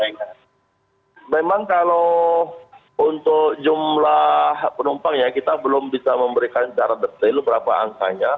kalau pak memang kalau untuk jumlah penumpangnya kita belum bisa memberikan cara detil berapa angkanya